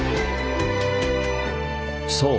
そう！